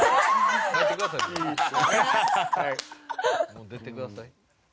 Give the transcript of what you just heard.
「もう出てください」